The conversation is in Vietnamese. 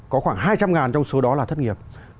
có khoảng hai trăm linh trong số đó là thất nghiệp